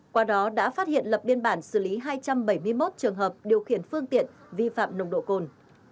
qua đó đã phát hiện lập biên bản xử lý hai trăm bảy mươi một trường hợp điều khiển phương tiện vi phạm nồng độ cồn